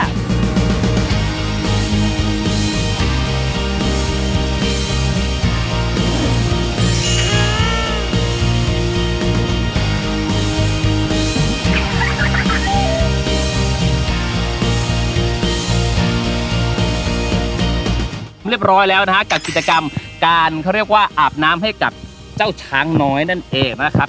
เรียบร้อยแล้วนะฮะกับกิจกรรมการเขาเรียกว่าอาบน้ำให้กับเจ้าช้างน้อยนั่นเองนะครับ